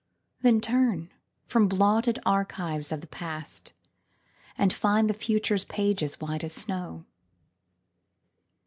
Then turn from blotted archives of the past, And find the future's pages white as snow.